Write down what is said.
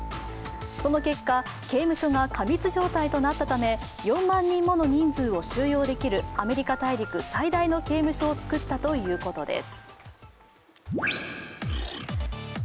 その結果、刑務所が過密状態となったため、４万人もの人数を収容できるアメリカ大陸最大の刑務所を作ったということです。